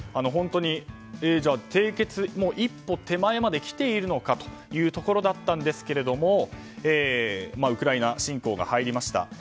本当に締結の一歩手前まで来ているのかというところだったんですけどもウクライナ侵攻が入りました。